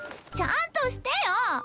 ちゃんとしてよ！